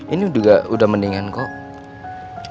ini udah mendingan kok